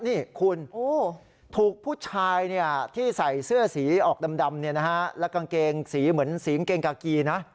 นี่คุณถูกผู้ชายที่ใส่เสื้อสีออกดำและกางเกงสีเหมือนสีกางเกงกากีนะ